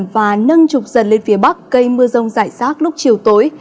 và nâng trục dần lên phía bắc gây mưa rông giải sát lúc chiều tối